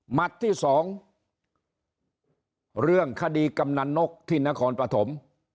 ที่สองเรื่องคดีกำนันนกที่นครปฐม